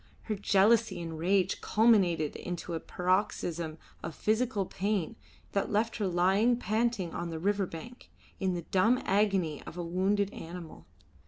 Her jealousy and rage culminated into a paroxysm of physical pain that left her lying panting on the river bank, in the dumb agony of a wounded animal.